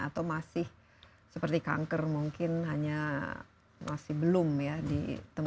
atau masih seperti kanker mungkin hanya masih belum ya ditemukan